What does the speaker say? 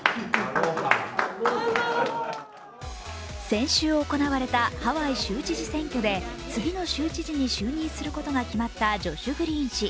先週行われたハワイ州知事選挙で次の州知事に就任することが決まったジョシュ・グリーン氏。